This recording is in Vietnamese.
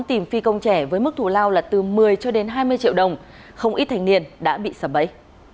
tìm phi công trẻ với mức thù lao là từ một mươi cho đến hai mươi triệu đồng không ít thành niên đã bị sập bẫy